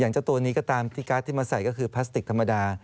เจ้าตัวนี้ก็ตามที่การ์ดที่มาใส่ก็คือพลาสติกธรรมดา